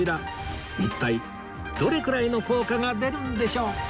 一体どれくらいの効果が出るんでしょう？